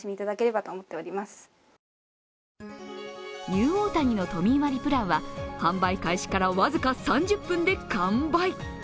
ニューオータニの都民割プランは販売開始から僅か３０分で完売。